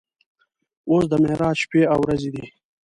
اوس د معراج شپې او ورځې دي.